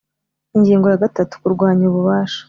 Ingingo ya gatatu Kurwanya ububasha